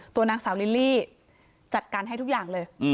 ตัวนางสาวลิลลี่จัดการให้ทุกอย่างเลย